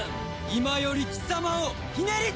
今より貴様をひねり潰す！